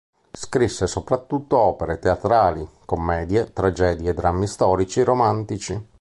Scrisse soprattutto opere teatrali: commedie, tragedie e drammi storici romantici.